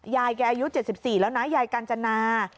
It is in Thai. ยายแกอายุ๗๔แล้วนะยายกาญจนา